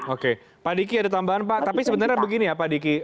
oke pak diki ada tambahan pak tapi sebenarnya begini ya pak diki